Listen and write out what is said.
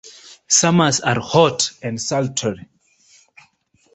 Summers are hot and sultry.